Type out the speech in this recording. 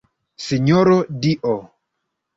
Sinjoro dio!